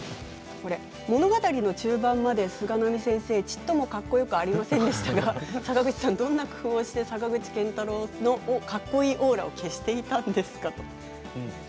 物語の中盤まで菅波先生はちっとも、かっこよくありませんでしたが坂口さんは、どんな工夫をして坂口健太郎のかっこいいオーラを消していたんですかということです。